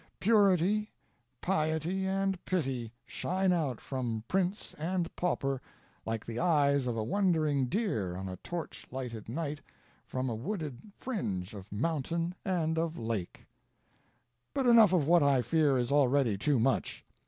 Purity, piety, and pity shine out from Prince and Pauper like the eyes of a wondering deer on a torch lighted night from a wooded fringe of mountain and lake. "But enough of what I fear is already too much.